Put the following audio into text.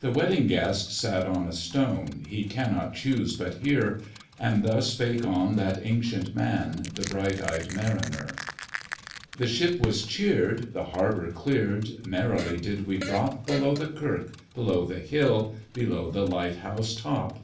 The Wedding Guest sat on a stone: He cannot chuse but hear; And thus spake on that ancient man, The bright eyed Mariner. The ship was cheered, the harbour cleared, Merrily did we drop Below the kirk, below the hill, Below the light house top.